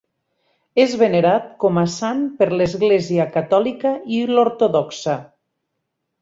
És venerat com a sant per l'Església Catòlica i l'Ortodoxa.